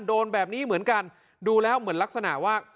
โดนแบบนี้เหมือนกันดูแล้วเหมือนลักษณะว่า